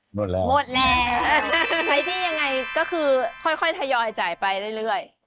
หมดแล้วหมดแล้วใช้หนี้ยังไงก็คือค่อยทยอยจ่ายไปเรื่อย